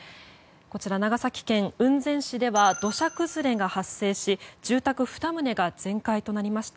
長崎県雲仙市では土砂崩れが発生し、住宅２棟が全壊となりました。